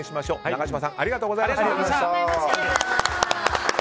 永島さんありがとうございました。